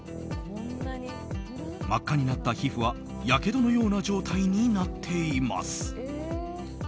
真っ赤になった皮膚はやけどのような状態になっています。